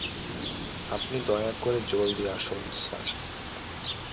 আপনি দয়া করে জলদি আসুন, স্যার।